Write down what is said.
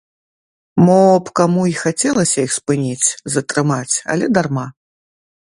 Мо б каму й хацелася іх спыніць, затрымаць, але дарма!